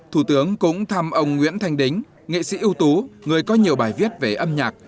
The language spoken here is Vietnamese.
thủ tướng cũng thăm ông nguyễn thanh đính nghệ sĩ ưu tú người có nhiều bài viết về âm nhạc